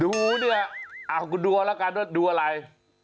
ดูเนี่ยยังดูแล้วกันดูอะไร